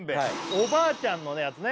おばあちゃんのやつね